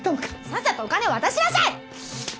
さっさとお金渡しなさい！